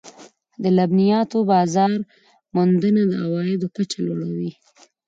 د لبنیاتو بازار موندنه د عوایدو کچه لوړوي.